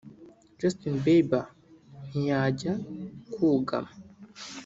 Justin Bieber ntiyajya kugama